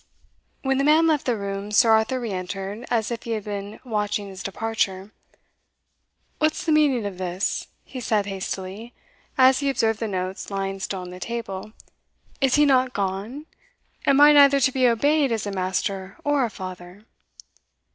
When the man left the room, Sir Arthur re entered, as if he had been watching his departure. "What's the meaning of this?" he said hastily, as he observed the notes lying still on the table "Is he not gone? Am I neither to be obeyed as a master or a father?"